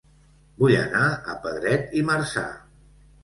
Vull anar a Pedret i Marzà